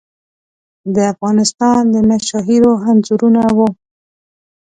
د افغانستان د مشاهیرو انځورونه وو.